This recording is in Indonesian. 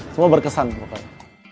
semua berkesan pokoknya